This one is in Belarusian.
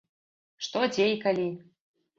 Што, дзе і калі?